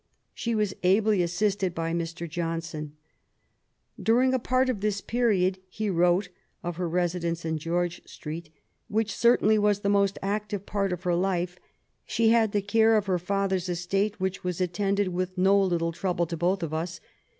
She was ably assisted by Mr. Johnson. '^During a part of this period/^ he wrote of her residence in G^rge Street, ^' which certainly was the most active part of her life, she had the care of her father's estate^ which was attended with no little trouble to both of us.